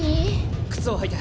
靴を履いて。